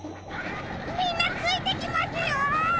みんなついてきますよ！